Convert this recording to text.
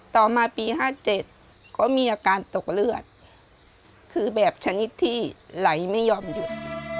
ต่อมาปี๕๗ก็มีอาการตกเลือดคือแบบชนิดที่ไหลไม่ยอมหยุด